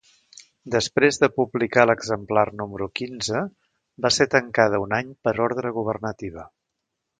Després de publicar l'exemplar número quinze, va ser tancada un any per ordre governativa.